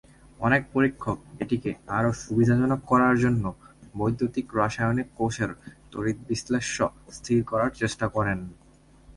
অনেক পরীক্ষক এটিকে আরও সুবিধাজনক করার জন্য বৈদ্যুতিক-রাসায়নিক কোষের তড়িৎবিশ্লেষ্য স্থির করার চেষ্টা করেন।